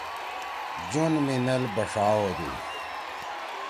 جُون می میل بݜا ہودُو۔